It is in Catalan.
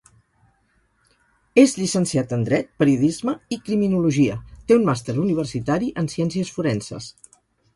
És llicenciat en dret, periodisme i criminologia, té un màster Universitari en Ciències Forenses.